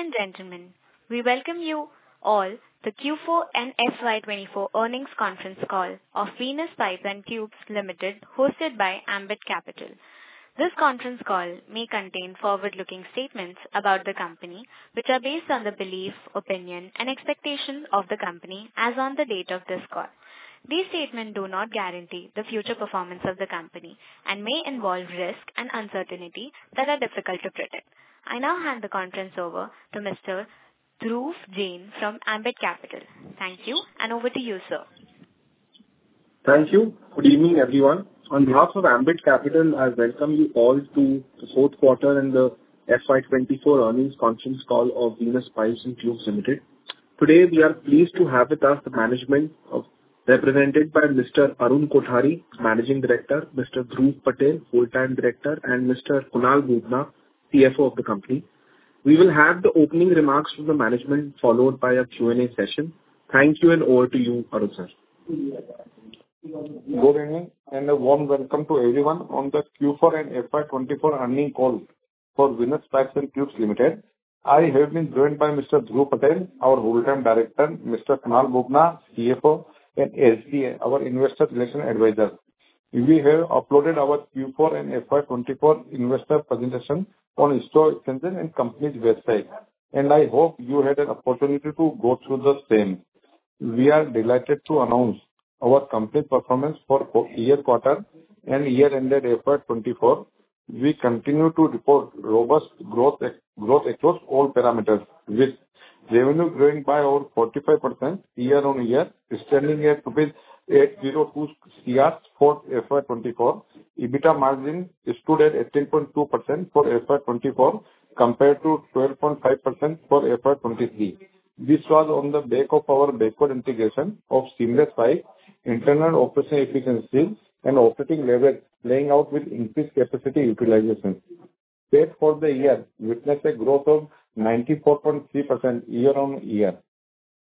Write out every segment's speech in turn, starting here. Ladies and gentlemen, we welcome you all to the Q4 and FY 2024 earnings conference call of Venus Pipes and Tubes Limited, hosted by Ambit Capital. This conference call may contain forward-looking statements about the company, which are based on the belief, opinion, and expectation of the company as on the date of this call. These statements do not guarantee the future performance of the company and may involve risks and uncertainties that are difficult to predict. I now hand the conference over to Mr. Dhruv Jain from Ambit Capital. Thank you, and over to you, sir. Thank you. Good evening, everyone. On behalf of Ambit Capital, I welcome you all to the fourth quarter and the FY 2024 earnings conference call of Venus Pipes and Tubes Limited. Today, we are pleased to have with us the management, represented by Mr. Arun Kothari, Managing Director, Mr. Dhruv Patel, Whole-time Director, and Mr. Kunal Bubna, CFO of the company. We will have the opening remarks from the management, followed by a Q&A session. Thank you, and over to you, Arun sir. Good evening, and a warm welcome to everyone on the Q4 and FY 2024 earnings call for Venus Pipes and Tubes Limited. I have been joined by Mr. Dhruv Patel, our Whole-time Director, Mr. Kunal Bubna, CFO, and SGA, our Investor Relations Advisor. We have uploaded our Q4 and FY 2024 investor presentation on the investor section in company's website, and I hope you had an opportunity to go through the same. We are delighted to announce our company's performance for year quarter and year-ended FY 2024. We continue to report robust growth across all parameters, with revenue growing by over 45% year-on-year, standing at INR 802 crore for FY 2024. EBITDA margin stood at 18.2% for FY 2024 compared to 12.5% for FY 2023. This was on the back of our backward integration of seamless pipes, internal operation efficiency, and operating leverage playing out with increased capacity utilization. Sales for the year witnessed a growth of 94.3% year-on-year.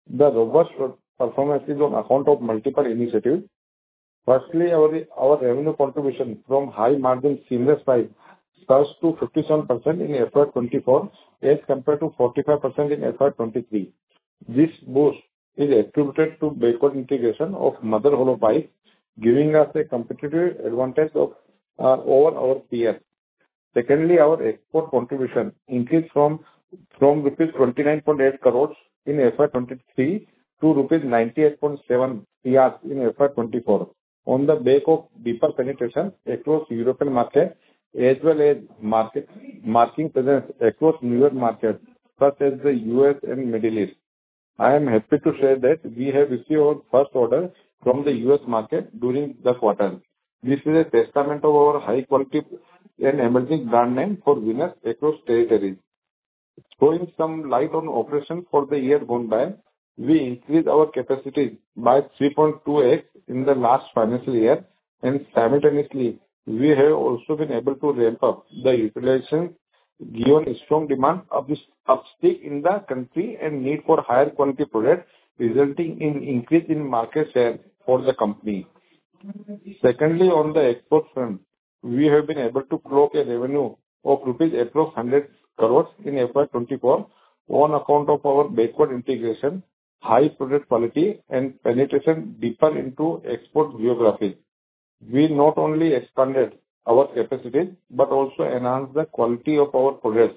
The robust performance is on account of multiple initiatives. Firstly, our revenue contribution from high-margin seamless pipes surged to 57% in FY 2024 as compared to 45% in FY 2023. This boost is attributed to backward integration of mother hollow pipes, giving us a competitive advantage over our peers. Secondly, our export contribution increased from rupees 29.8 crore in FY 2023 to rupees 98.7 crore in FY 2024 on the back of deeper penetration across European markets as well as market presence across newer markets such as the U.S. and Middle East. I am happy to share that we have received first orders from the U.S. market during the quarter. This is a testament of our high quality and emerging brand name for Venus across territories. Throwing some light on operations for the year gone by, we increased our capacity by 3.2x in the last financial year and simultaneously, we have also been able to ramp up the utilization given strong demand of this uptick in the country and need for higher quality products, resulting in increase in market share for the company. Secondly, on the export front, we have been able to grow a revenue of 100 crore rupees in FY 2024 on account of our backward integration, high product quality and penetration deeper into export geographies. We not only expanded our capacities, but also enhanced the quality of our products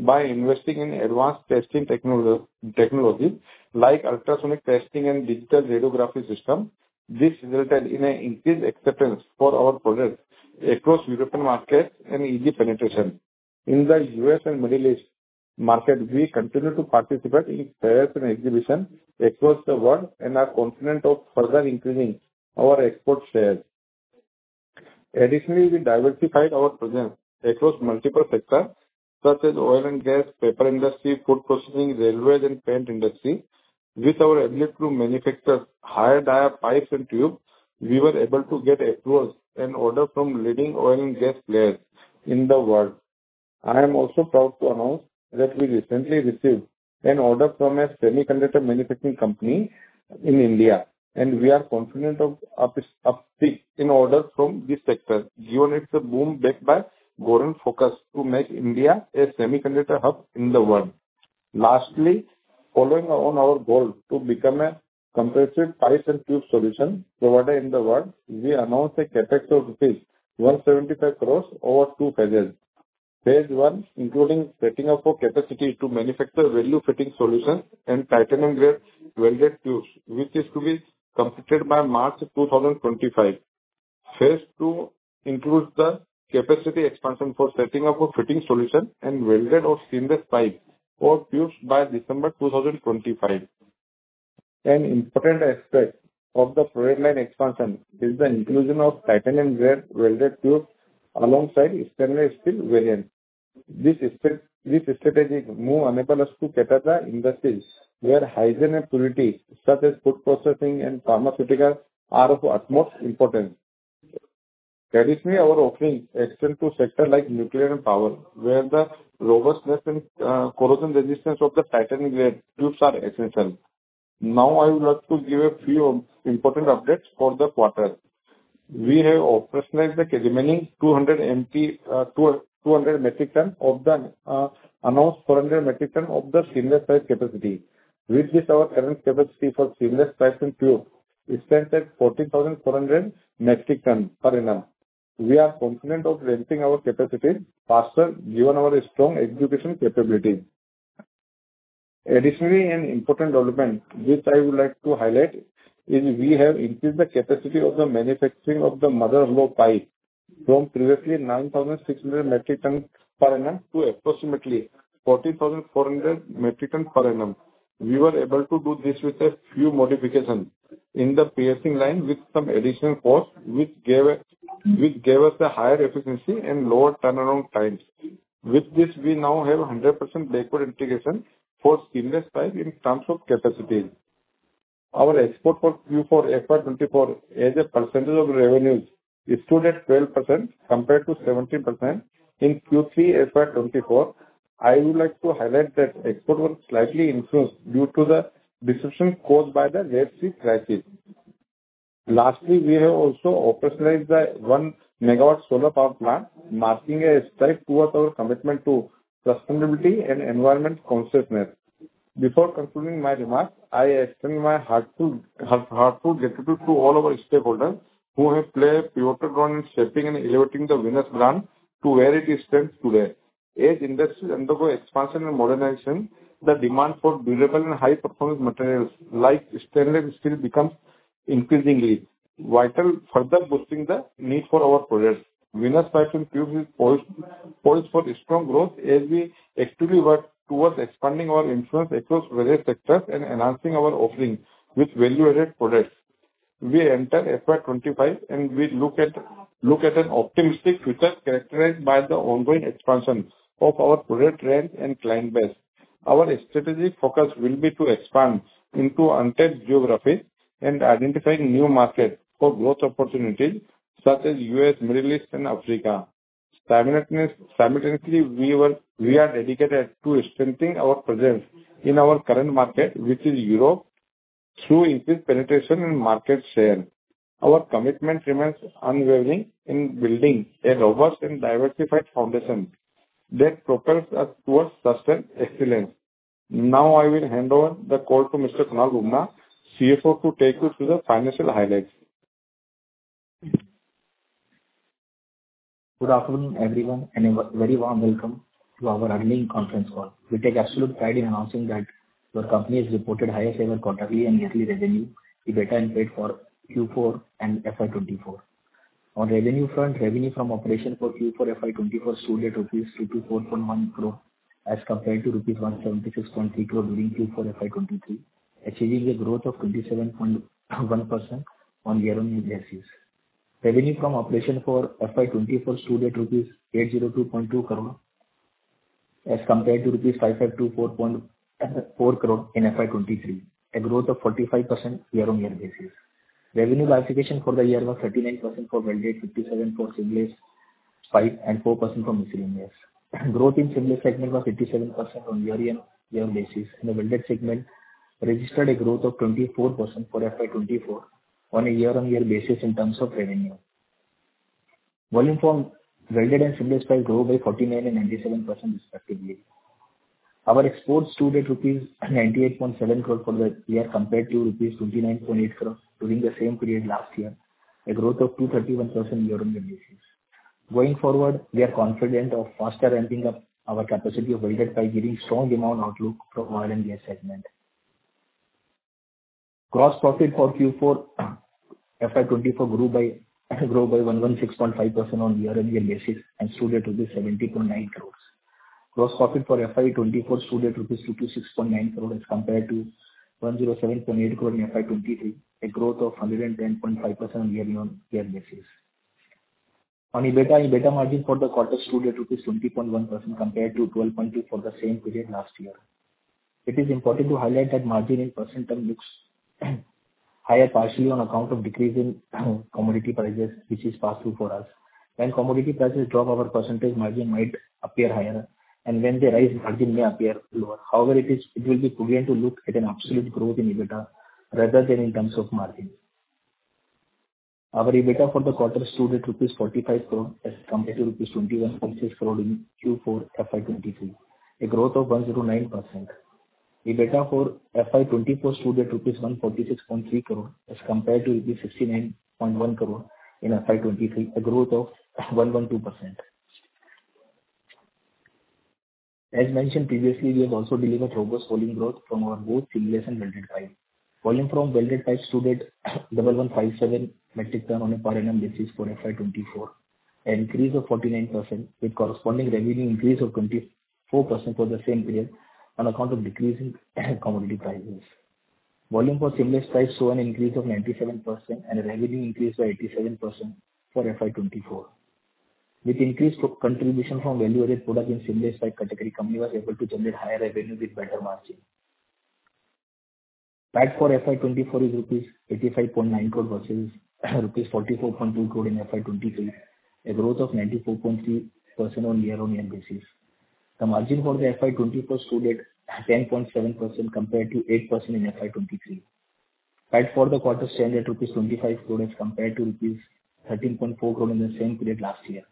by investing in advanced testing technologies like ultrasonic testing and digital radiography systems. This resulted in an increased acceptance for our products across European markets and easy penetration. In the U.S. and Middle East market, we continue to participate in fairs and exhibitions across the world and are confident of further increasing our export share. Additionally, we diversified our presence across multiple sectors such as oil and gas, paper industry, food processing, railways, and paint industry. With our ability to manufacture higher dia pipes and tubes, we were able to get across an order from leading oil and gas players in the world. I am also proud to announce that we recently received an order from a semiconductor manufacturing company in India, and we are confident of this uptick in orders from this sector given it's a boom backed by growing focus to make India a semiconductor hub in the world. Following on our goal to become a competitive pipes and tubes solution provider in the world, we announced a CapEx of rupees 175 crore over two phases. Phase 1, including setting up of capacity to manufacture value fitting solutions and titanium grade welded tubes, which is to be completed by March 2025. Phase 2 includes the capacity expansion for setting up of fitting solution and welded or seamless pipes or tubes by December 2025. An important aspect of the product line expansion is the inclusion of titanium grade welded tubes alongside stainless steel variants. This strategic move enables us to cater to industries where hygiene and purity, such as food processing and pharmaceuticals, are of utmost importance. Traditionally, our offerings extend to sectors like nuclear and power, where the robustness and corrosion resistance of the titanium grade tubes are essential. I would like to give a few important updates for the quarter. We have operationalized the remaining 200 metric ton of the announced 400 metric ton of the seamless pipe capacity. With this, our current capacity for seamless pipes and tubes stands at 40,400 metric ton per annum. We are confident of ramping our capacity faster given our strong execution capabilities. An important development which I would like to highlight is we have increased the capacity of the manufacturing of the mother pipe from previously 9,600 metric ton per annum to approximately 40,400 metric ton per annum. We were able to do this with a few modifications in the piercing line with some additional costs, which gave us the higher efficiency and lower turnaround times. With this, we now have a 100% backward integration for seamless pipe in terms of capacities. Our export for Q4 FY 2024 as a percentage of revenues stood at 12% compared to 17% in Q3 FY 2024. I would like to highlight that export was slightly influenced due to the disruption caused by the Red Sea crisis. Lastly, we have also operationalized the 1 megawatt solar power plant, marking a step towards our commitment to sustainability and environment consciousness. Before concluding my remarks, I extend my heartfelt gratitude to all our stakeholders who have played a pivotal role in shaping and elevating the Venus brand to where it stands today. As industries undergo expansion and modernization, the demand for durable and high-performance materials like stainless steel becomes increasingly vital, further boosting the need for our products. Venus Pipes and Tubes is poised for strong growth as we actively work towards expanding our influence across various sectors and enhancing our offerings with value-added products. We enter FY 2025 and we look at an optimistic future characterized by the ongoing expansion of our product range and client base. Our strategic focus will be to expand into untapped geographies and identifying new markets for growth opportunities such as U.S., Middle East and Africa. Simultaneously, we are dedicated to strengthening our presence in our current market, which is Europe, through increased penetration and market share. Our commitment remains unwavering in building a robust and diversified foundation that propels us towards sustained excellence. Now I will hand over the call to Mr. Kunal Bubna, CFO, to take you through the financial highlights. Good afternoon, everyone, and a very warm welcome to our earnings conference call. We take absolute pride in announcing that your company has reported highest ever quarterly and yearly revenue, EBITDA and PAT for Q4 and FY 2024. On revenue front, revenue from operation for Q4 FY 2024 stood at INR 54.1 crore as compared to INR 176.3 crore during Q4 FY 2023, achieving a growth of 27.1% on year-on-year basis. Revenue from operation for FY 2024 stood at rupees 802.2 crore as compared to rupees 552.4 crore in FY 2023, a growth of 45% year-on-year basis. Revenue classification for the year was 39% for welded, 57% for seamless pipe, and 4% for miscellaneous. Growth in seamless segment was 57% on year-on-year basis, and the welded segment registered a growth of 24% for FY 2024 on a year-on-year basis in terms of revenue. Volume from welded and seamless pipes grow by 49% and 97% respectively. Our exports stood at rupees 98.7 crore for the year compared to rupees 29.8 crore during the same period last year, a growth of 231% year-on-year basis. Going forward, we are confident of faster ramping up our capacity of welded pipe giving strong demand outlook from R&D segment. Gross profit for Q4 FY 2024 grew by 116.5% on year-on-year basis and stood at rupees 70.9 crore. Gross profit for FY 2024 stood at rupees 66.9 crore as compared to 107.8 crore in FY 2023, a growth of 110.5% on year-on-year basis. EBITDA margin for the quarter stood at rupees 20.1% compared to 12.2% for the same period last year. It is important to highlight that margin in percent term looks higher partially on account of decrease in commodity prices, which is passed through for us. When commodity prices drop, our percentage margin might appear higher and when they rise, margin may appear lower. However, it will be prudent to look at an absolute growth in EBITDA rather than in terms of margin. Our EBITDA for the quarter stood at rupees 45 crore as compared to rupees 21.6 crore in Q4 FY 2023, a growth of 109%. EBITDA for FY 2024 stood at rupees 146.3 crore as compared to rupees 69.1 crore in FY 2023, a growth of 112%. As mentioned previously, we have also delivered robust volume growth from our both seamless and welded pipe. Volume from welded pipes stood at 1,157 metric ton on a per annum basis for FY 2024, an increase of 49% with corresponding revenue increase of 24% for the same period on account of decrease in commodity prices. Volume for seamless pipes saw an increase of 97% and revenue increased by 87% for FY 2024. With increased contribution from value-added products in seamless pipe category, company was able to generate higher revenue with better margin. PAT for FY 2024 is rupees 85.9 crore versus rupees 44.2 crore in FY 2023, a growth of 94.3% on year-on-year basis. The margin for the FY 2024 stood at 10.7% compared to 8% in FY 2023. PAT for the quarter stood at rupees 25 crores, compared to rupees 13.4 crores in the same period last year.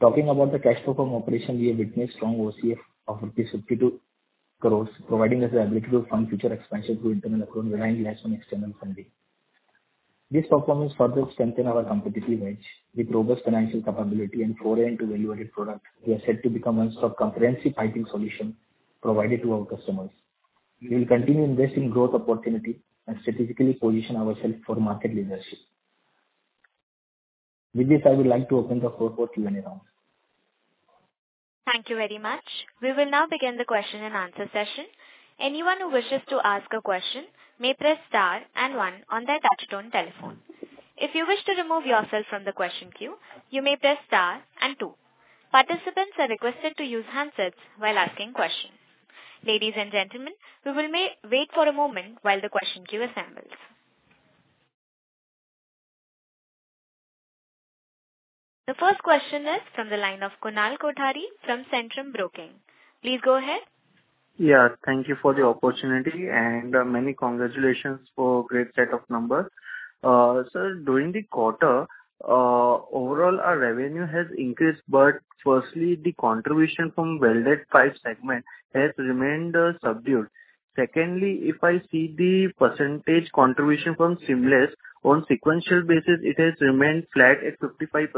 Talking about the cash flow from operation, we have witnessed strong OCF of 52 crores rupees, providing us the ability to fund future expansion through internal accrete relying less on external funding. This performance further strengthen our competitive edge with robust financial capability and product. We are set to become a comprehensive piping solution provided to our customers. We will continue investing growth opportunity and strategically position ourselves for market leadership. With this, I would like to open the floor for Q&A round. Thank you very much. We will now begin the question and answer session. Anyone who wishes to ask a question may press star and one on their touchtone telephone. If you wish to remove yourself from the question queue, you may press star and two. Participants are requested to use handsets while asking questions. Ladies and gentlemen, we will wait for a moment while the question queue assembles. The first question is from the line of Kunal Kothari from Centrum Broking. Please go ahead. Yeah. Thank you for the opportunity and many congratulations for great set of numbers. Sir, during the quarter, overall our revenue has increased. Firstly, the contribution from welded pipe segment has remained subdued. Secondly, if I see the percentage contribution from seamless, on sequential basis, it has remained flat at 55%.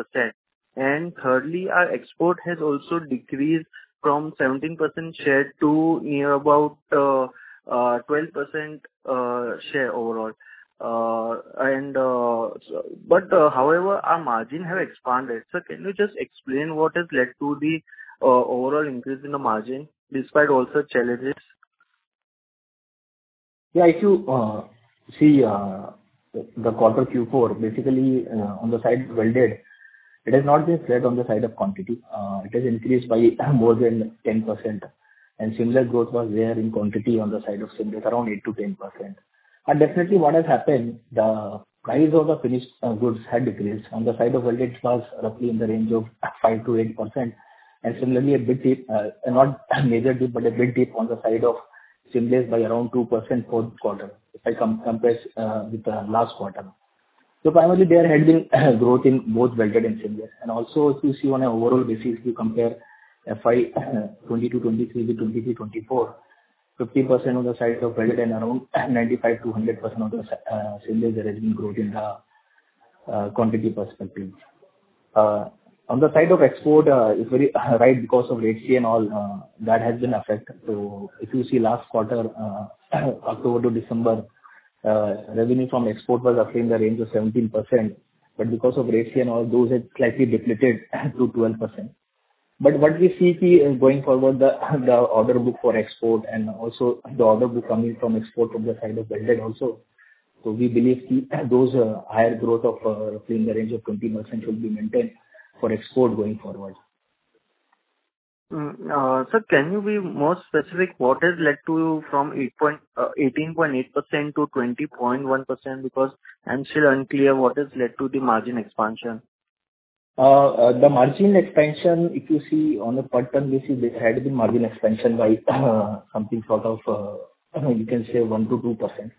Thirdly, our export has also decreased from 17% share to near about 12% share overall. However, our margin have expanded. Sir, can you just explain what has led to the overall increase in the margin despite all such challenges? Yeah, if you see the quarter Q4, basically on the side welded, it has not been flat on the side of quantity. It has increased by more than 10%. Seamless growth was there in quantity on the side of seamless, around 8% to 10%. Definitely what has happened, the price of the finished goods had decreased. On the side of welded it was roughly in the range of 5% to 8%, and similarly, a not major dip, but a big dip on the side of seamless by around 2% fourth quarter if I compare with the last quarter. Primarily, there has been growth in both welded and seamless. Also, if you see on an overall basis, if you compare FY 2022, 2023 with 2023, 2024, 50% on the side of welded and around 95% to 100% on the seamless, there has been growth in the quantity perspective. On the side of export, is very right because of Red Sea and all that has been affected. If you see last quarter, October to December, revenue from export was roughly in the range of 17%, but because of Red Sea and all, those had slightly depleted to 12%. What we see is going forward, the order book for export and also the order book coming from export from the side of welded also. We believe those higher growth of roughly in the range of 20% should be maintained for export going forward. Sir, can you be more specific what has led to from 18.8% to 20.1%? I'm still unclear what has led to the margin expansion. The margin expansion, if you see on a per ton basis, there had been margin expansion by something sort of, you can say 1%-2%, on an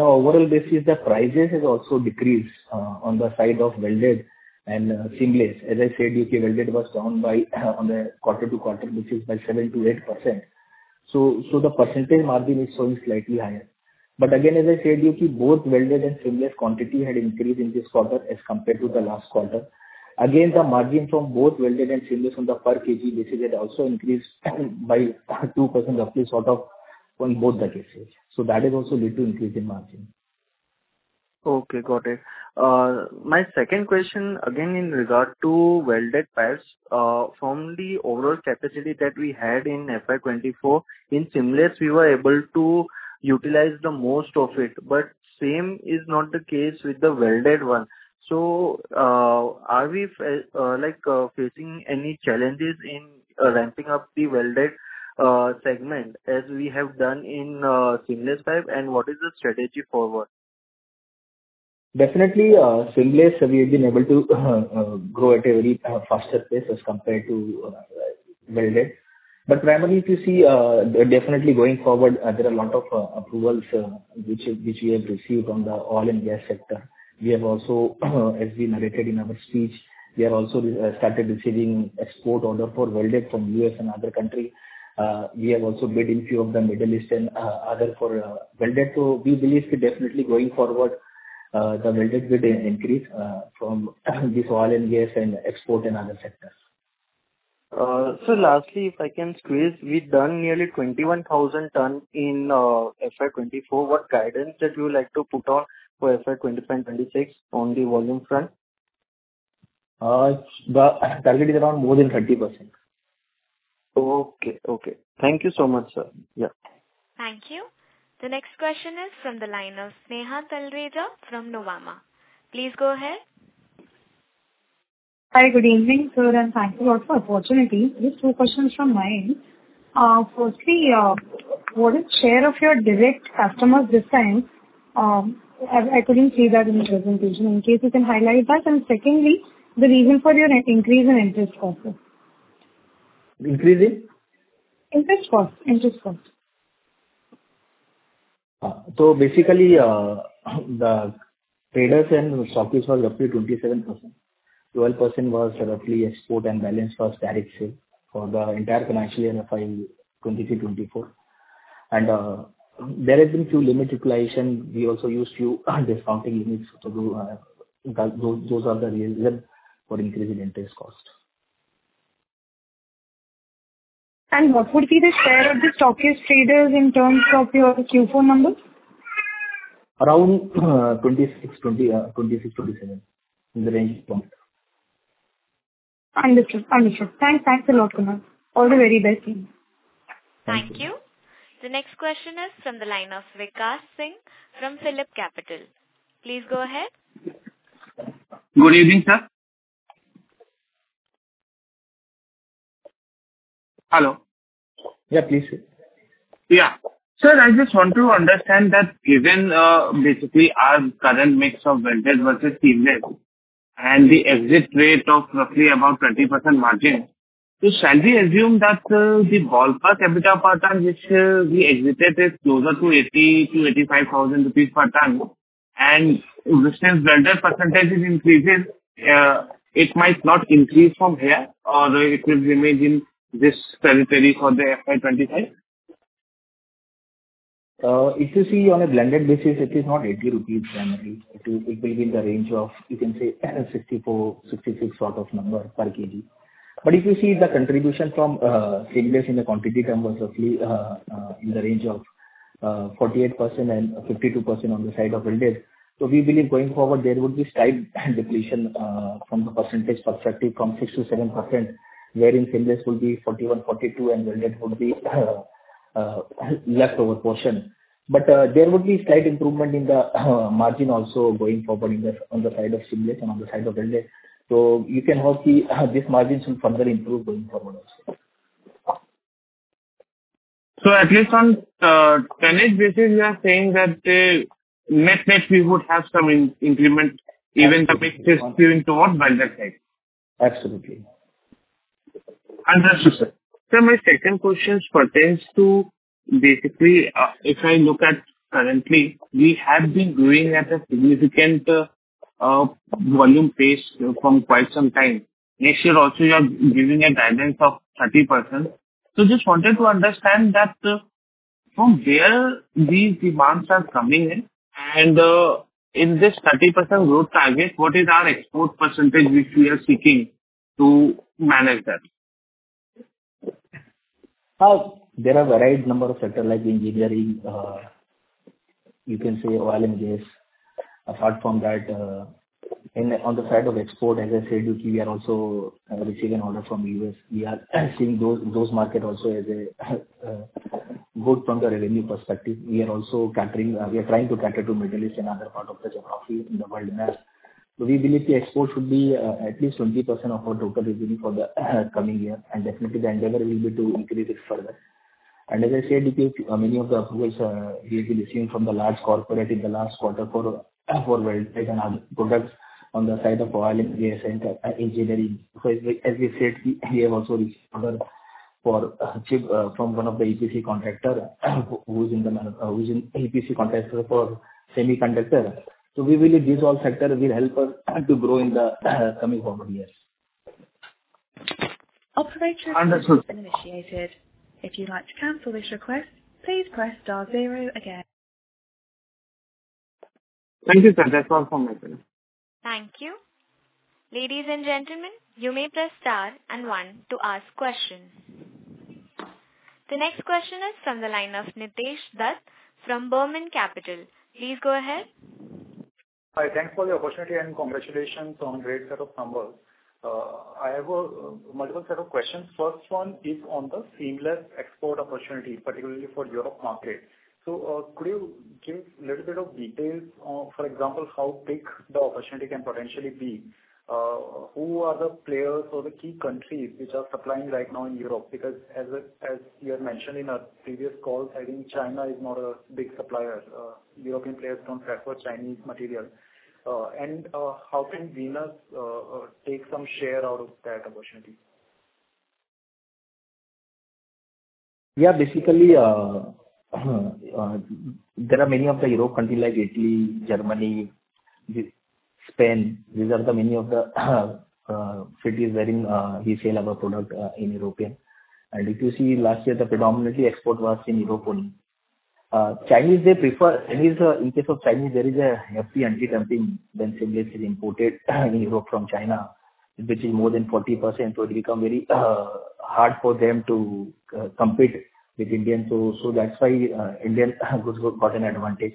overall basis, the prices has also decreased on the side of welded and seamless. As I said with you, welded was down on the quarter-over-quarter, which is by 7%-8%. The percentage margin is showing slightly higher. Again, as I said you, both welded and seamless quantity had increased in this quarter as compared to the last quarter. Again, the margin from both welded and seamless on the per kg basis had also increased by 2% roughly sort of on both the cases. That has also led to increase in margin. Okay, got it. My second question, in regard to welded pipes. From the overall capacity that we had in FY 2024, in seamless we were able to utilize the most of it, same is not the case with the welded one. Are we facing any challenges in ramping up the welded segment as we have done in seamless pipe, and what is the strategy forward? Definitely seamless we have been able to grow at a very faster pace as compared to welded. Primarily if you see, definitely going forward, there are a lot of approvals which we have received on the oil and gas sector. As we narrated in our speech, we have also started receiving export order for welded from U.S. and other country. We have also bid in few of the Middle East and other for welded. We believe, definitely going forward, the welded will increase from this oil and gas and export and other sectors. Sir, lastly, if I can squeeze, we've done nearly 21,000 tons in FY 2024. What guidance that you would like to put on for FY 2025, 2026 on the volume front? Target is around more than 30%. Okay. Thank you so much, sir. Yeah. Thank you. The next question is from the line of Sneha Talreja from Nuvama. Please go ahead. Hi, good evening, sir, and thank you for the opportunity. Just two questions from my end. Firstly, what is share of your direct customers this time? I couldn't see that in the presentation, in case you can highlight that, and secondly, the reason for your net increase in interest costs. Increase in? Interest cost. Basically, the traders and stockists was roughly 27%. 12% was roughly export and balance was direct sale for the entire financial year FY 2023, 2024. There has been few limit utilization. We also used few discounting limits to do that. Those are the reason for increase in interest cost. What would be the share of the stockist traders in terms of your Q4 numbers? Around 26, 27, in the range approximately. Understood. Thanks a lot, Kumar. All the very best to you. Thank you. Thank you. The next question is from the line of Vikas Singh from PhillipCapital. Please go ahead. Good evening, sir. Hello. Yeah, please. Yeah. Sir, I just want to understand that given basically our current mix of welded versus seamless and the exit rate of roughly about 20% margin. Shall we assume that the ballpark EBITDA per ton which we exited is closer to 80,000-85,000 rupees per ton, and since welded percentage is increasing, it might not increase from here, or it will remain in this territory for the FY 2025? If you see on a blended basis, it is not 80 rupees generally. It will be in the range of, you can say, 64-66 sort of number per kg. If you see the contribution from seamless in the quantity term was roughly in the range of 48% and 52% on the side of welded. We believe going forward, there would be slight depletion from the percentage perspective from 6%-7%, wherein seamless will be 41%, 42% and welded would be leftover portion. There would be slight improvement in the margin also going forward on the side of seamless and on the side of welded. You can hope see these margins will further improve going forward also. At least on tonnage basis, we are saying that net-net we would have some increment even the mix is skewing towards welded side. Absolutely. Understood, sir. Sir, my second question pertains to basically, if I look at currently, we have been growing at a significant volume pace from quite some time. Next year also, you are giving a guidance of 30%. Just wanted to understand that from where these demands are coming in and in this 30% growth target, what is our export percentage which we are seeking to manage that? There are varied number of sector like engineering, you can say oil and gas. Apart from that, on the side of export, as I said, we have also received an order from U.S. We are seeing those market also as a good from the revenue perspective. We are trying to cater to Middle East and other part of the geography in the world map. We believe the export should be at least 20% of our total revenue for the coming year, and definitely the endeavor will be to increase it further. As I said, many of the approvals we have been receiving from the large corporate in the last quarter for welded and other products on the side of oil and gas and engineering. As we said, we have also received order for pipe from one of the EPC contractor who's in EPC contractor for semiconductor. We believe these all sector will help us to grow in the coming forward years. Operator- Understood. Has been initiated. If you'd like to cancel this request, please press star zero again. Thank you, sir. That's all from my side. Thank you. Ladies and gentlemen, you may press Star and One to ask questions. The next question is from the line of Nitesh Dutt from Burman Capital. Please go ahead. Hi, thanks for the opportunity and congratulations on great set of numbers. I have a multiple set of questions. First one is on the seamless export opportunity, particularly for Europe market. Could you give little bit of details, for example, how big the opportunity can potentially be? Who are the players or the key countries which are supplying right now in Europe? As you have mentioned in a previous call, I think China is not a big supplier. European players don't prefer Chinese material. How can Venus take some share out of that opportunity? Basically, there are many of the Europe countries like Italy, Germany, Spain. These are the many of the cities wherein we sell our product in Europe. If you see last year, the predominantly export was in Europe only. In case of Chinese, there is a hefty anti-dumping than seamless is imported in Europe from China, which is more than 40%. It becomes very hard for them to compete with Indian. That's why Indian goods got an advantage.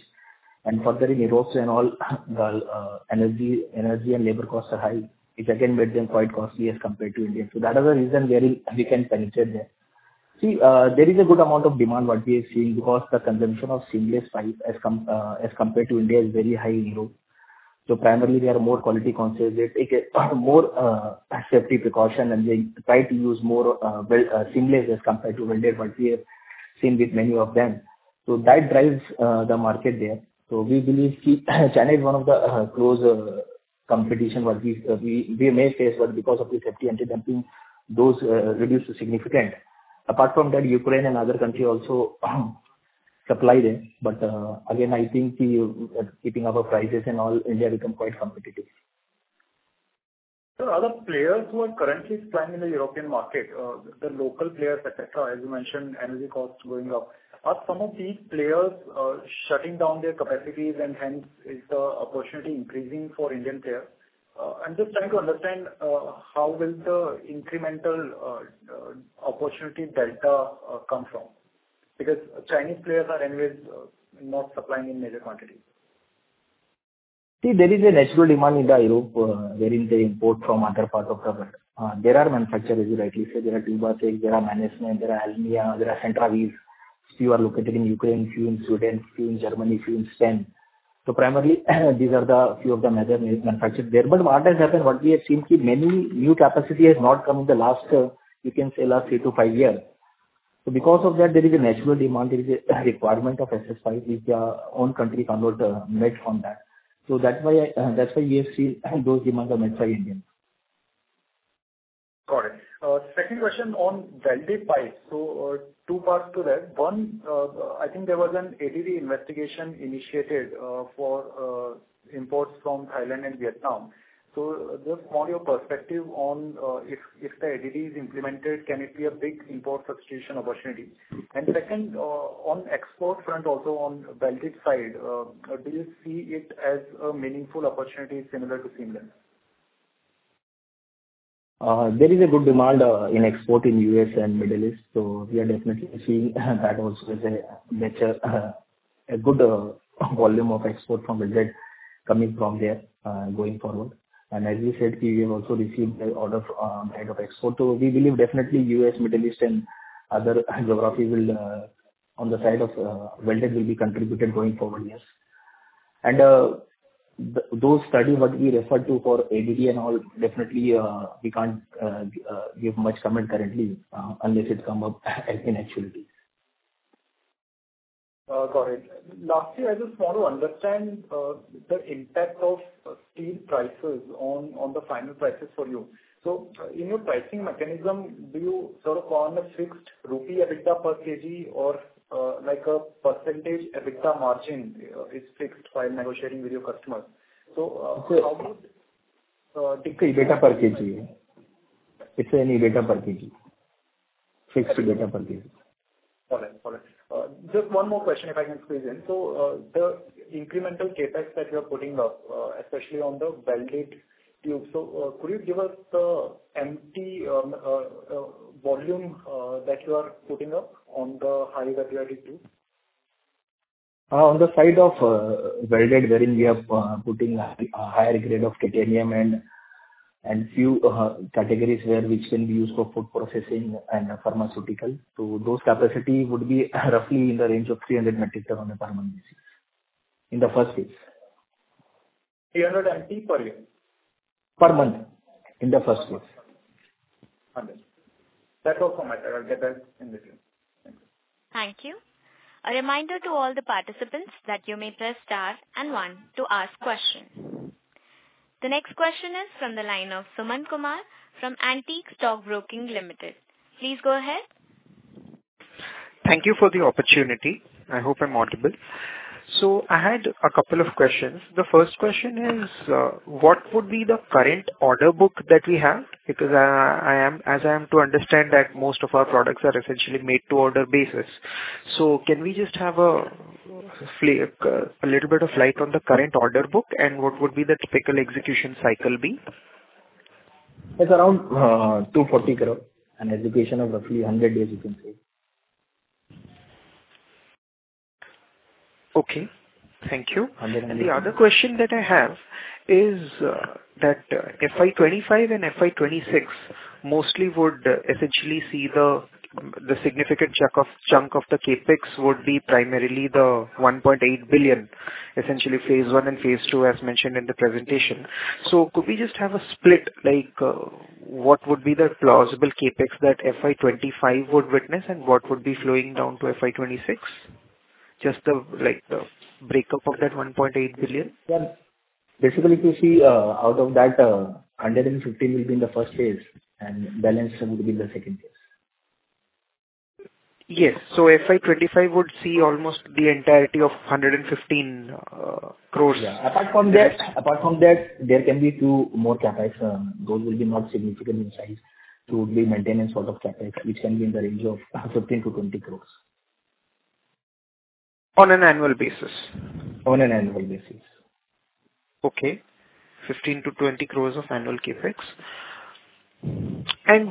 Further in Europe and all, the energy and labor costs are high, which again made them quite costly as compared to India. That is the reason wherein we can penetrate there. There is a good amount of demand what we are seeing because the consumption of seamless pipe as compared to India is very high in Europe. Primarily they are more quality conscious. They take more safety precautions and they try to use more seamless as compared to welded ones we have seen with many of them. That drives the market there. We believe China is one of the close competition, but we may face, but because of the safety and dumping, those reduce significantly. Apart from that, Ukraine and other countries also supply there. Again, I think keeping up our prices and all, India becomes quite competitive. Other players who are currently supplying in the European market, the local players, et cetera, as you mentioned, energy costs going up. Are some of these players shutting down their capacities and hence is the opportunity increasing for Indian players? I'm just trying to understand how will the incremental opportunity delta come from, because Chinese players are anyways not supplying in major quantities. There is a natural demand in Europe wherein they import from other parts of the world. There are manufacturers, you rightly said. There are Tubacex, there are Mannesmann, there are Alleima, there are Centravis. Few are located in Ukraine, few in Sweden, few in Germany, few in Spain. Primarily, these are the few of the major manufacturers there. What has happened, what we have seen, many new capacity has not come in the last, you can say last 3-5 years. Because of that, there is a natural demand, there is a requirement of SS pipe which our own country cannot meet on that. That's why we have seen those demands are met by Indians. Got it. Second question on welded pipes. Two parts to that. One, I think there was an ADD investigation initiated for imports from Thailand and Vietnam. Just want your perspective on if the ADD is implemented, can it be a big import substitution opportunity? Second, on export front also on welded side do you see it as a meaningful opportunity similar to seamless? There is a good demand in export in U.S. and Middle East, we are definitely seeing that also as a good volume of export from welded coming from there going forward. As we said, we have also received the order for export. We believe definitely U.S., Middle East, and other geographies will on the side of welded will be contributed going forward, yes. Those studies what we referred to for ADD and all, definitely we can't give much comment currently unless it come up in actuality. Got it. Lastly, I just want to understand the impact of steel prices on the final prices for you. In your pricing mechanism, do you sort of on a fixed rupee EBITDA per kg or like a percentage EBITDA margin is fixed while negotiating with your customers? How would- EBITDA per kg. It's an EBITDA per kg. Fixed EBITDA per kg. Got it. Just one more question if I can squeeze in. The incremental CapEx that you're putting up especially on the welded tube. Could you give us the MT volume that you are putting up on the high value added tube? On the side of welded wherein we are putting a higher grade of titanium and few categories where which can be used for food processing and pharmaceutical. Those capacity would be roughly in the range of 300 metric ton per month basis in the first phase. 300 MT per year? Per month in the first phase. Understood. That's all from my side. I'll get back in the queue. Thank you. Thank you. A reminder to all the participants that you may press star and one to ask questions. The next question is from the line of Suman Kumar from Antique Stock Broking Limited. Please go ahead. Thank you for the opportunity. I hope I'm audible. I had a couple of questions. The first question is, what would be the current order book that we have? Because as I am to understand that most of our products are essentially made to order basis. Can we just have a little bit of light on the current order book and what would be the typical execution cycle be? It's around 240 crore and execution of roughly 100 days you can say. Okay. Thank you. 100 and- The other question that I have is that FY 2025 and FY 2026 mostly would essentially see the significant chunk of the CapEx would be primarily the 1.8 billion, essentially phase 1 and phase 2 as mentioned in the presentation. Could we just have a split, like what would be the plausible CapEx that FY 2025 would witness and what would be flowing down to FY 2026? Just the breakup of that 1.8 billion. Basically, if you see out of that, 115 will be in the first phase and balance would be in the second phase. Yes. FY 2025 would see almost the entirety of 115 crores. Apart from that there can be two more CapEx. Those will be not significant in size. It would be maintenance sort of CapEx, which can be in the range of 15-20 crores. On an annual basis? On an annual basis. Okay. 15 crore-20 crore of annual CapEx.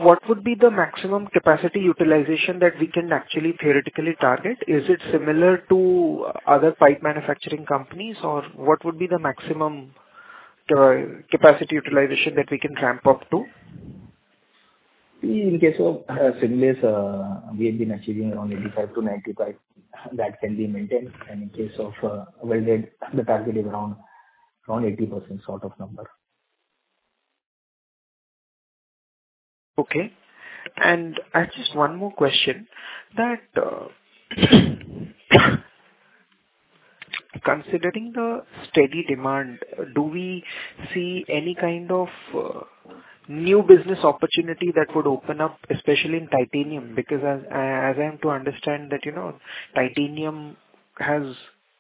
What would be the maximum capacity utilization that we can actually theoretically target? Is it similar to other pipe manufacturing companies, or what would be the maximum capacity utilization that we can ramp up to? In case of seamless, we have been achieving around 85%-95%. That can be maintained. In case of welded, the target is around 80% sort of number. Okay. I have just one more question. Considering the steady demand, do we see any kind of new business opportunity that would open up, especially in titanium? As I am to understand that, titanium has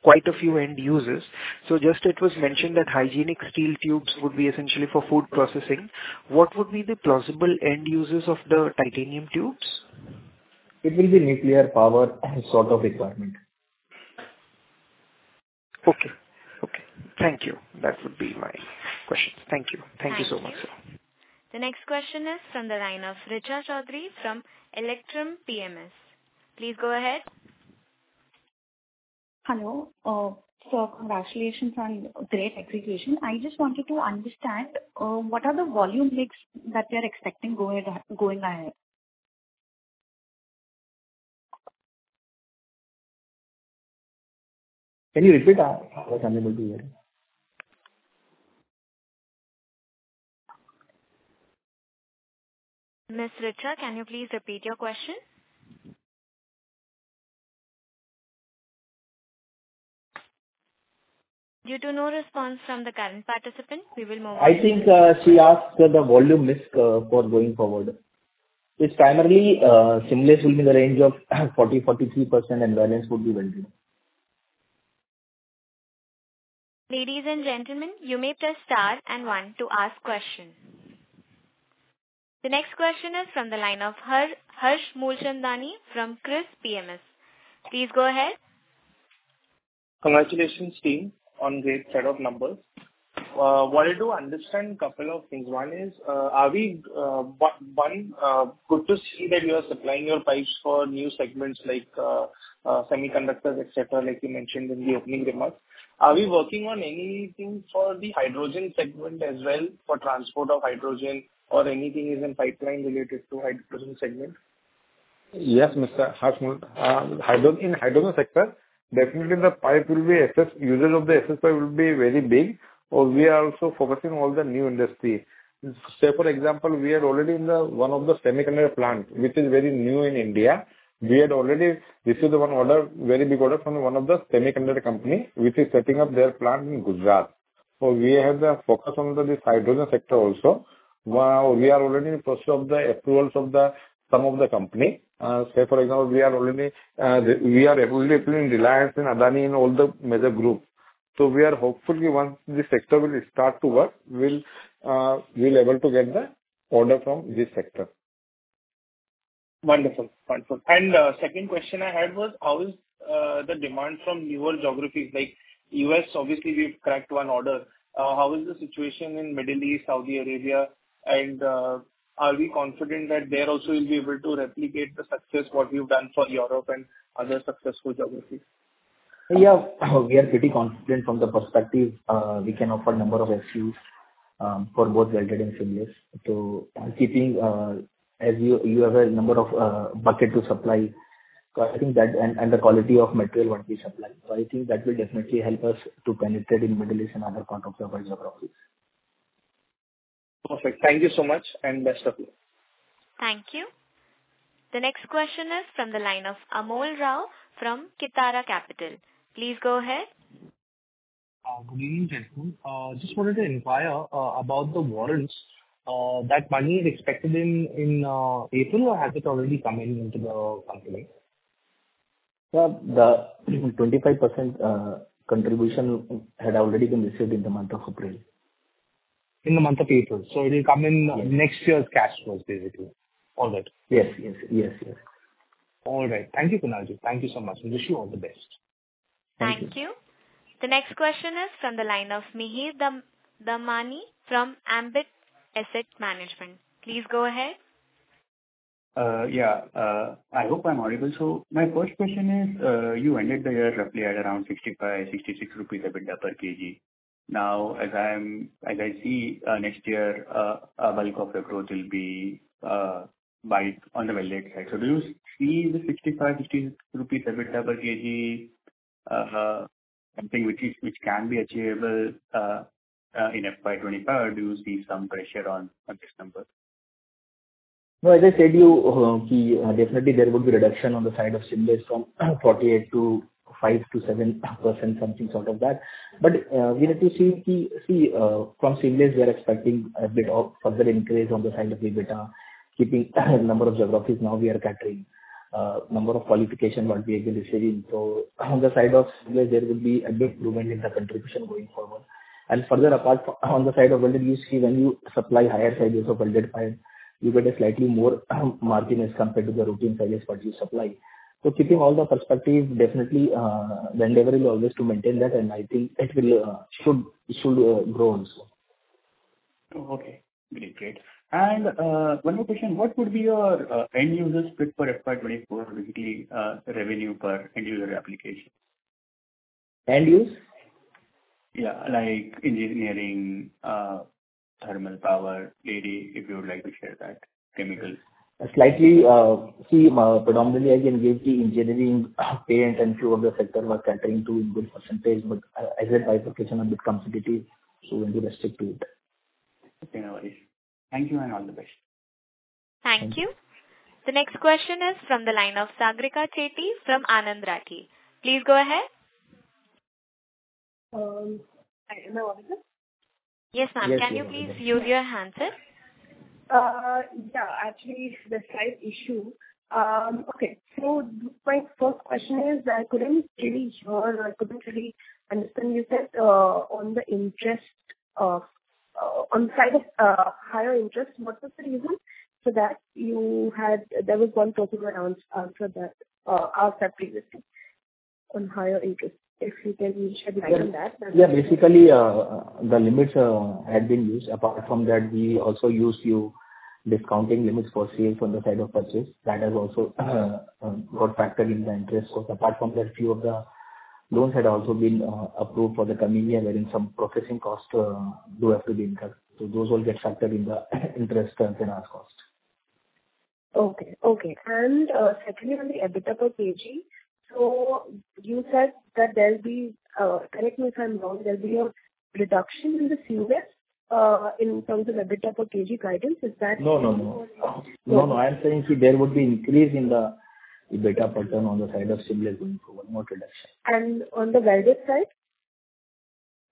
quite a few end users. Just it was mentioned that hygienic steel tubes would be essentially for food processing. What would be the plausible end users of the titanium tubes? It will be nuclear power sort of requirement. Okay. Thank you. That would be my questions. Thank you. Thank you so much, sir. Thank you. The next question is from the line of Richa Choudhary from Electrum PMS. Please go ahead. Hello. Congratulations on great execution. I just wanted to understand, what are the volume mix that you are expecting going ahead? Can you repeat? I was unable to hear. Ms. Richa, can you please repeat your question? Due to no response from the current participant, we will move on. I think she asked the volume mix for going forward. It's primarily seamless will be in the range of 40%-43% and balance would be welded. Ladies and gentlemen, you may press star and one to ask questions. The next question is from the line of Harsh Mulchandani from Kriis PMS. Please go ahead. Congratulations team on great set of numbers. Wanted to understand a couple of things. One, good to see that you are supplying your pipes for new segments like semiconductors, et cetera, like you mentioned in the opening remarks. Are we working on anything for the hydrogen segment as well, for transport of hydrogen or anything is in pipeline related to hydrogen segment? Yes, Mr. Harsh Mulchandani. In hydrogen sector, definitely the usage of the SS pipe will be very big or we are also focusing all the new industry. Say, for example, we are already in one of the semiconductor plant, which is very new in India. We had already received a very big order from one of the semiconductor company, which is setting up their plant in Gujarat. We have the focus on this hydrogen sector also. We are already in the process of the approvals of some of the company. Say, for example, we are already approved in Reliance and Adani and all the major groups. We are hopefully once this sector will start to work, we'll able to get the order from this sector. Wonderful. Second question I had was, how is the demand from newer geographies like U.S.? Obviously, we've cracked one order. How is the situation in Middle East, Saudi Arabia? Are we confident that there also you'll be able to replicate the success, what we've done for Europe and other successful geographies? Yeah, we are pretty confident from the perspective we can offer number of SKUs for both welded and seamless. Keeping as you have a number of bucket to supply, I think that and the quality of material what we supply. I think that will definitely help us to penetrate in Middle East and other part of the world geographies. Perfect. Thank you so much and best of luck. Thank you. The next question is from the line of Amol Rao from Kitara Capital. Please go ahead. Good evening team. Just wanted to inquire about the warrants. That money is expected in April or has it already come in into the company? The 25% contribution had already been received in the month of April. In the month of April. It will come in next year's cash flows basically. All right. Yes. All right. Thank you, Kunalji. Thank you so much. We wish you all the best. Thank you. Thank you. The next question is from the line of Mihir Damani from Ambit Asset Management. Please go ahead. My first question is, you ended the year roughly at around 65, 66 rupees EBITDA per kg. As I see next year, a bulk of the growth will be on the welded side. Do you see the 65, 66 rupees EBITDA per kg something which can be achievable in FY 2025, or do you see some pressure on this number? No, as I said, definitely there will be reduction on the side of seamless from 48% to 5%-7%, something sort of that. We have to see from seamless we are expecting a bit of further increase on the side of EBITDA, keeping number of geographies now we are catering, number of qualification what we have been receiving. On the side of seamless there will be a big improvement in the contribution going forward. Further apart on the side of welded you see when you supply higher sizes of welded pipe, you get a slightly more margin as compared to the routine sizes what you supply. Keeping all the perspective definitely, the endeavor is always to maintain that and I think it should grow also. Okay, great. One more question. What would be your end users split for FY 2024, basically revenue per end user application? End use? Yeah, like engineering, thermal power, if you would like to share that, chemicals. Predominantly, I can give the engineering parent and few of the sector we are catering to in good percentage, but as a by-product it's a bit competitive, so we'll not restrict to it. Okay, no worries. Thank you and all the best. Thank you. The next question is from the line of Sagarika Chetty from Anand Rathi. Please go ahead. Hi, am I audible? Yes, ma'am. Can you please mute your handset? Yeah. Actually, it's the site issue. Okay. My first question is, I couldn't really hear or I couldn't really understand, you said on the side of higher interest, what was the reason for that? There was one particular answer that asked that previously on higher interest. If you can shed light on that. Yeah, basically, the limits had been used. Apart from that, we also use few discounting limits for sales on the side of purchase. That has also got factored in the interest. Apart from that, few of the loans had also been approved for the coming year, wherein some processing costs do have to be incurred. Those will get factored in the interest and in our cost. Okay. Secondly, on the EBITDA per kg. You said that there'll be, correct me if I'm wrong, there'll be a reduction in the seamless in terms of EBITDA per kg guidance. Is that- No, I'm saying, there would be increase in the EBITDA pattern on the side of seamless will improve, not reduction. On the welded side?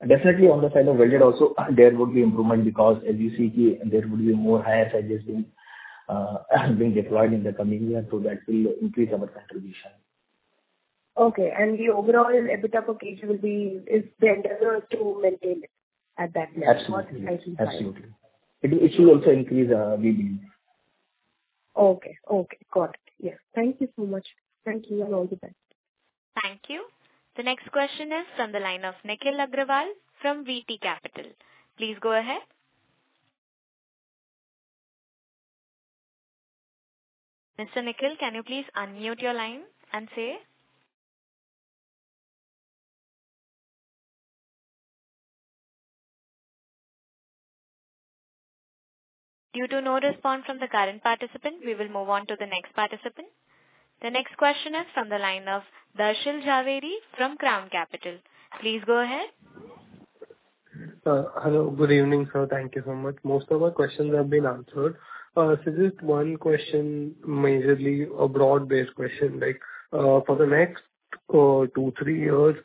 Definitely on the side of welded also, there would be improvement because as you see there would be more higher sizes being deployed in the coming year, that will increase our contribution. Okay. The overall EBITDA per kg, the endeavor is to maintain it at that level. Absolutely. I see. Absolutely. It should also increase maybe. Okay. Got it. Yes. Thank you so much. Thank you, and all the best. Thank you. The next question is from the line of Nikhil Agarwal from VT Capital. Please go ahead. Mr. Nikhil, can you please unmute your line and say? Due to no response from the current participant, we will move on to the next participant. The next question is from the line of Darshan Jhaveri from Crown Capital. Please go ahead. Hello, good evening, sir. Thank you so much. Most of my questions have been answered. Just one question, majorly a broad-based question. For the next two, three years,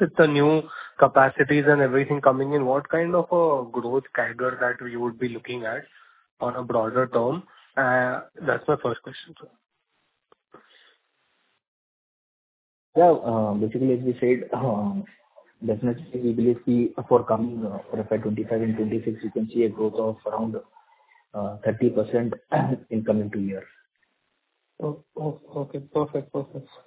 with the new capacities and everything coming in, what kind of a growth CAGR that we would be looking at on a broader term? That's my first question, sir. Basically, as we said, definitely we believe for coming FY 2025 and 2026, you can see a growth of around 30% in coming two years. Okay. Perfect.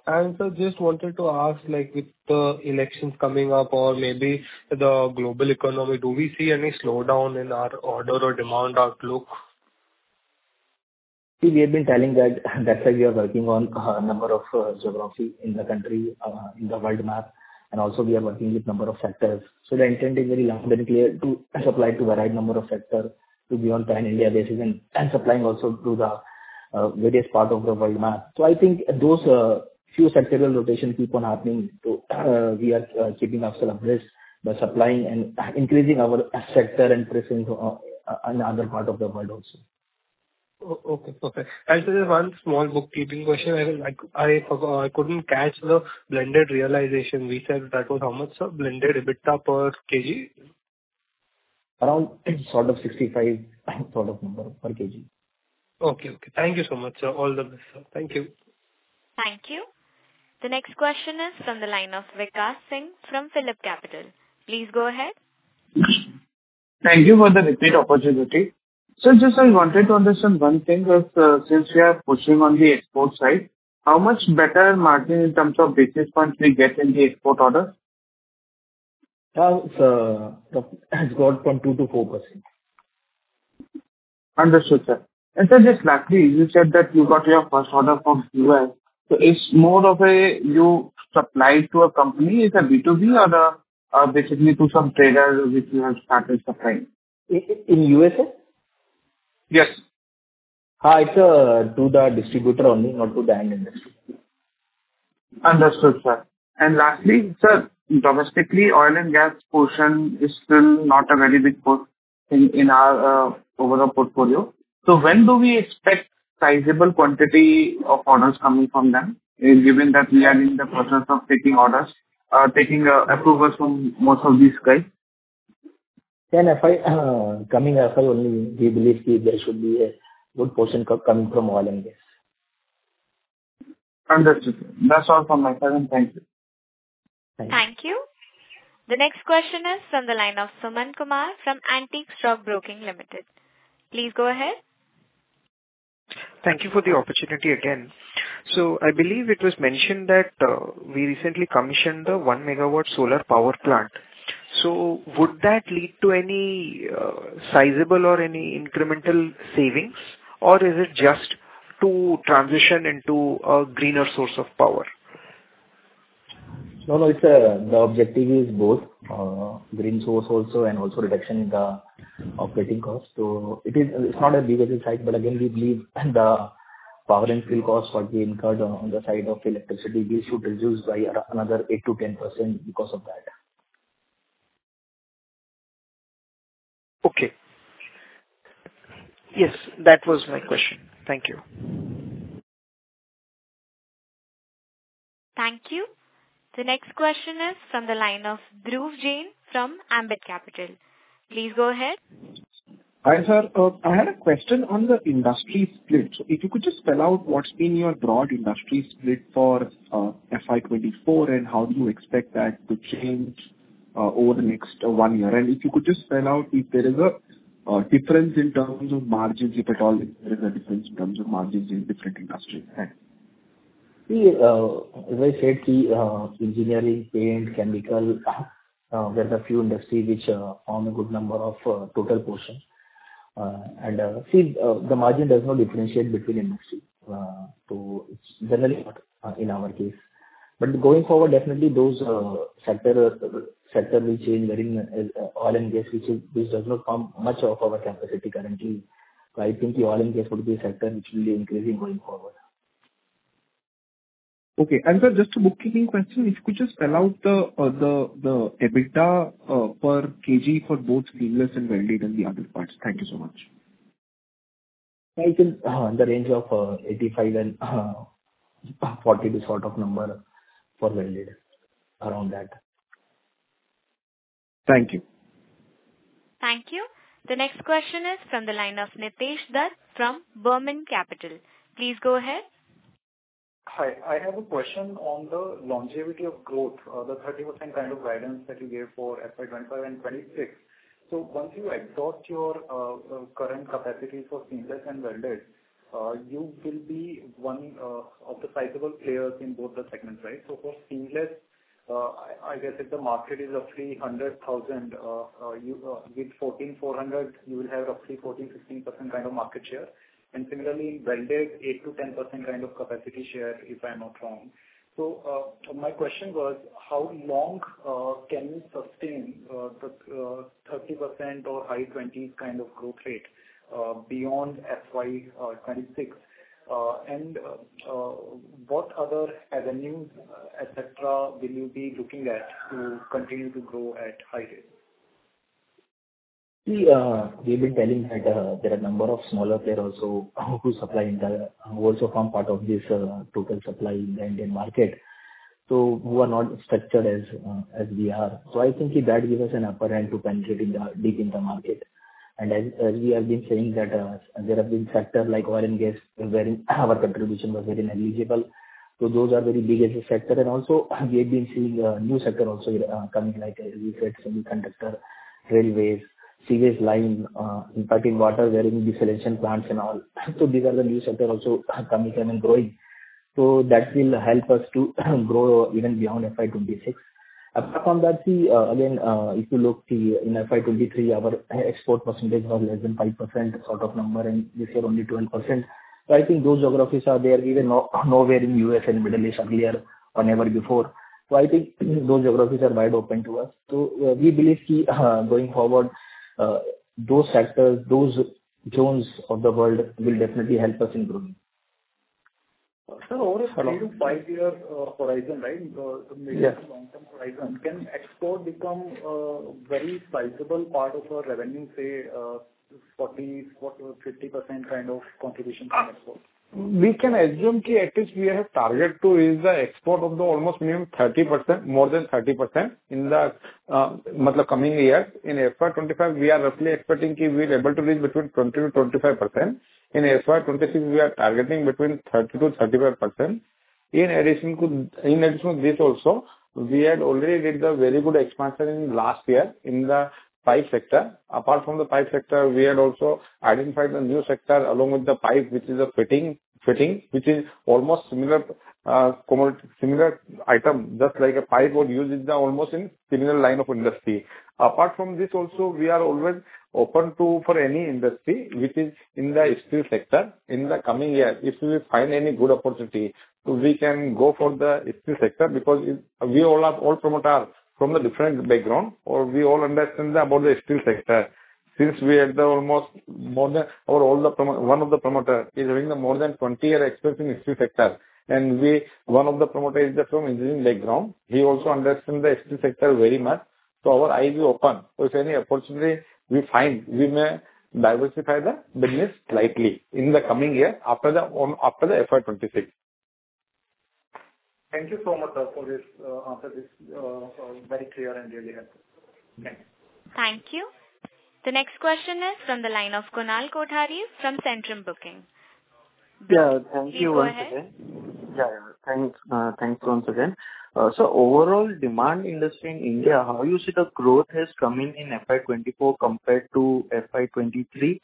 Sir, just wanted to ask, with the elections coming up or maybe the global economy, do we see any slowdown in our order or demand outlook? We have been telling that's why we are working on a number of geographies in the country, in the world map, and also we are working with number of sectors. The intent is very loud and clear to supply to a wide number of sectors, to be on pan-India basis and supplying also to the various parts of the world map. I think those few sectoral rotations keep on happening. We are keeping ourselves abreast by supplying and increasing our sector and presence in other parts of the world also. Okay, perfect. Sir there's one small bookkeeping question. I couldn't catch the blended realization we said that was how much, sir? Blended EBITDA per kg. Around sort of $65 sort of number per kg. Okay. Thank you so much, sir. All the best, sir. Thank you. Thank you. The next question is from the line of Vikas Singh from PhillipCapital. Please go ahead. Thank you for the repeat opportunity. Just I wanted to understand one thing, sir. Since we are pushing on the export side, how much better margin in terms of business points we get in the export order? It has gone from 2%-4%. Understood, sir. Sir, just lastly, you said that you got your first order from U.S. It's more of a you supply to a company as a B2B or basically to some trader which you have started supplying? In USA? Yes. It's to the distributor only, not to the end industry. Understood, sir. Lastly, sir, domestically, oil and gas portion is still not a very big portion in our overall portfolio. When do we expect sizable quantity of orders coming from them, given that we are in the process of taking orders, taking approvals from most of these guys? Coming FY only, we believe there should be a good portion coming from oil and gas. Understood, sir. That's all from my side then, thank you. Thanks. Thank you. The next question is from the line of Suman Kumar from Antique Stock Broking Limited. Please go ahead. Thank you for the opportunity again. I believe it was mentioned that we recently commissioned the 1 MW solar power plant. Would that lead to any sizable or any incremental savings or is it just to transition into a greener source of power? The objective is both green source also and also reduction in the operating cost. It's not a big issue side, but again, we believe the power and fuel costs what we incurred on the side of electricity, we should reduce by another 8% to 10% because of that. Okay. Yes, that was my question. Thank you. Thank you. The next question is from the line of Dhruv Jain from Ambit Capital. Please go ahead. Hi, sir. I had a question on the industry split. If you could just spell out what's in your broad industry split for FY 2024 and how do you expect that to change over the next one year? If you could just spell out if there is a difference in terms of margins, if at all there is a difference in terms of margins in different industries. See, engineering, paint, chemical, there are a few industries which form a good number of total portion. See, the margin does not differentiate between industries. It's generally not in our case. Going forward, definitely those sector will change. Oil and gas, which does not form much of our capacity currently. I think the oil and gas would be a sector which will be increasing going forward. Okay. Sir, just a book-keeping question. If you could just spell out the EBITDA per kg for both seamless and welded and the other parts. Thank you so much. It's in the range of 85 and 40 this sort of number for welded. Around that. Thank you. Thank you. The next question is from the line of Nitesh Dutt from Burman Capital. Please go ahead. Hi. I have a question on the longevity of growth, the 30% kind of guidance that you gave for FY 2025 and FY 2026. Once you exhaust your current capacity for seamless and welded, you will be one of the sizable players in both the segments, right? For seamless, I guess if the market is roughly 100,000, with 14,400, you will have roughly 14%, 16% kind of market share. Similarly, welded 8%-10% kind of capacity share, if I'm not wrong. My question was, how long can you sustain the 30% or high twenties kind of growth rate beyond FY 2026? What other avenues, et cetera, will you be looking at to continue to grow at high rates? We've been telling that there are a number of smaller players also who supply and who also form part of this total supply in the Indian market. Who are not structured as we are. I think that gives us an upper hand to penetrate deep in the market. As we have been saying that there have been sectors like oil and gas where our contribution was very negligible. Those are very big as a sector. Also we have been seeing new sector also coming like we said, semiconductor, railways, sewage line, impacting water, wherein desalination plants and all. These are the new sector also coming and growing. That will help us to grow even beyond FY 2026. Apart from that, again, if you look in FY 2023, our export percentage was less than 5% sort of number, and this year only 12%. I think those geographies are there even nowhere in U.S. and Middle East earlier or never before. I think those geographies are wide open to us. We believe going forward those sectors, those zones of the world will definitely help us in growth. Sir, over a three to five-year horizon, right? Yes. Medium to long-term horizon, can export become a very sizable part of our revenue, say, 40%-50% kind of contribution from export? We can assume at least we have targeted to is the export of the almost minimum 30%, more than 30% in the coming years. In FY 2025, we are roughly expecting we're able to reach between 20%-25%. In FY 2026, we are targeting between 30%-35%. In addition to this also, we had already did the very good expansion in last year in the pipe sector. Apart from the pipe sector, we had also identified a new sector along with the pipe, which is a fitting, which is almost similar item, just like a pipe would use is the almost in similar line of industry. Apart from this also, we are always open for any industry which is in the steel sector in the coming year. If we find any good opportunity, we can go for the steel sector because all promoters are from a different background, or we all understand about the steel sector. Since one of the promoter is having more than 20 year experience in steel sector. One of the promoter is from engineering background. He also understand the steel sector very much. Our eyes are open. If any opportunity we find, we may diversify the business slightly in the coming year after the FY 2026. Thank you so much, sir, for this answer. It is very clear and really helpful. Thanks. Thank you. The next question is from the line of Kunal Kothari from Centrum Broking. Yeah. Thank you once again. Please go ahead. Thanks once again. Overall demand industry in India, how you see the growth has come in in FY 2024 compared to FY 2023?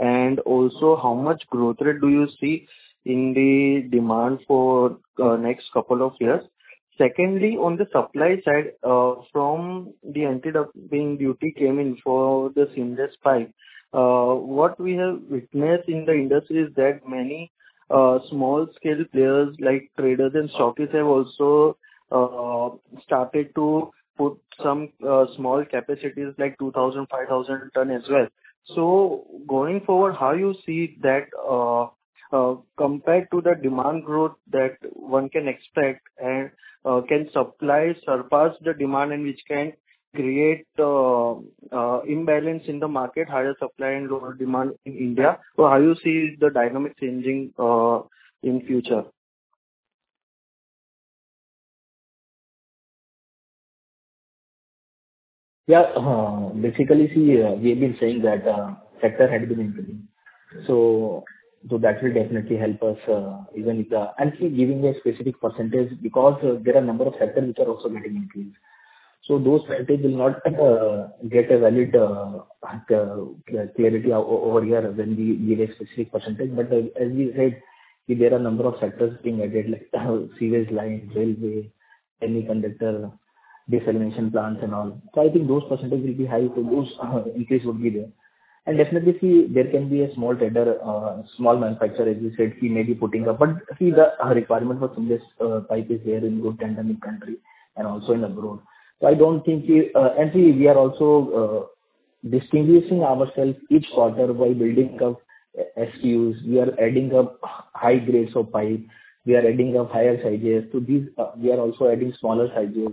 How much growth rate do you see in the demand for next couple of years? Secondly, on the supply side, from the entry dumping duty came in for the seamless pipe. What we have witnessed in the industry is that many small scale players, like traders and stockists, have also started to put some small capacities, like 2,000, 5,000 ton as well. Going forward, how you see that compared to the demand growth that one can expect and can supply surpass the demand and which can create imbalance in the market, higher supply and lower demand in India? How you see the dynamic changing in future? Basically, we have been saying that sector had been improving. That will definitely help us even with the giving a specific percentage because there are a number of sectors which are also getting increased. Those percentage will not get a valid clarity over here when we give a specific percentage. As we said, there are a number of sectors being added like sewage lines, railway, semiconductor, desalination plants and all. I think those percentage will be high, those increase would be there. Definitely, there can be a small trader, small manufacturer, as we said, he may be putting up. The requirement for seamless pipe is there in good tandem in country and also in abroad. We are also distinguishing ourself each quarter by building up SKUs. We are adding up high grades of pipe. We are adding up higher sizes. To these, we are also adding smaller sizes.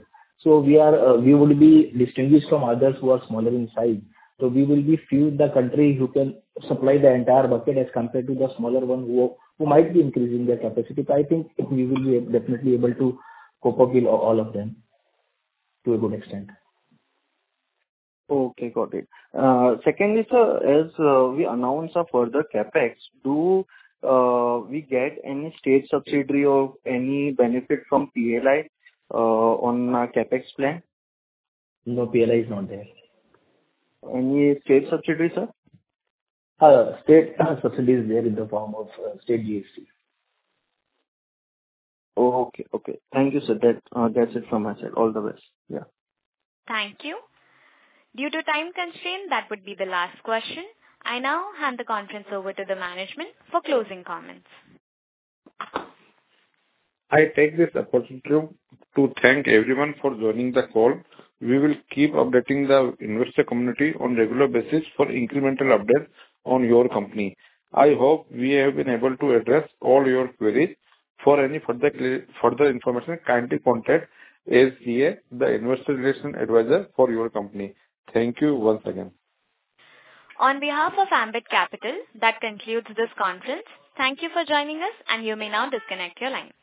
We would be distinguished from others who are smaller in size. We will be few in the country who can supply the entire bucket as compared to the smaller ones who might be increasing their capacity. I think we will be definitely able to cope up with all of them to a good extent. Okay, got it. Secondly, sir, as we announce our further CapEx, do we get any state subsidy or any benefit from PLI on our CapEx plan? No PLI is not there. Any state subsidy, sir? State facility is there in the form of state GST. Okay. Thank you, sir. That's it from my side. All the best. Yeah. Thank you. Due to time constraint, that would be the last question. I now hand the conference over to the management for closing comments. I take this opportunity to thank everyone for joining the call. We will keep updating the investor community on regular basis for incremental updates on your company. I hope we have been able to address all your queries. For any further information, kindly contact SGA, the investor relations advisor for your company. Thank you once again. On behalf of Ambit Capital, that concludes this conference. Thank you for joining us and you may now disconnect your lines.